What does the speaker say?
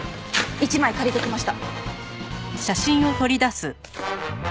一枚借りてきました。